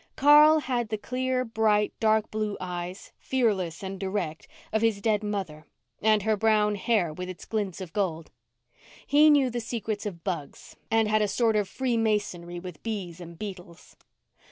Carl had the clear, bright, dark blue eyes, fearless and direct, of his dead mother, and her brown hair with its glints of gold. He knew the secrets of bugs and had a sort of freemasonry with bees and beetles.